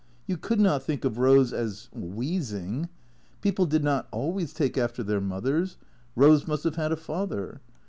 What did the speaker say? You could not think of Rose as — wheezing. People did not always take after their mothers. Rose must have had a father.